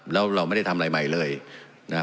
แล้วเราไม่ได้ทำอะไรใหม่เลยนะครับ